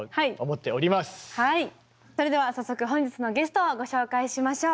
それでは早速本日のゲストをご紹介しましょう。